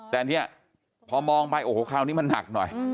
แต่เนี่ยพอมองไปโอ้โหคราวนี้มันหนักหน่อย